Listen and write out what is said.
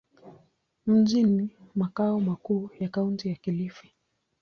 Mji ni makao makuu ya Kaunti ya Kilifi.